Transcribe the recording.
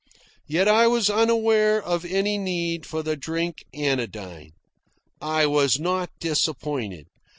Yet I was unaware of any need for the drink anodyne. I was not disappointed.